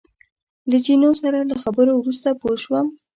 له جینو سره له خبرو وروسته پوه شوم.